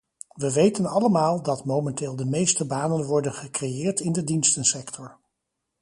We weten allemaal dat momenteel de meeste banen worden gecreëerd in de dienstensector.